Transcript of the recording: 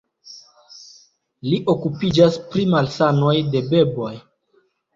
Li okupiĝas pri malsanoj de beboj.